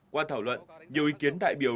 qua thảo luận nhiều ý kiến đại biểu